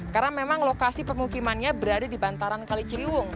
karena memang lokasi permukimannya berada di bantaran kali ciliwung